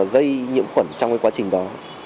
gây nhiễm khuẩn trong cái quá trình đó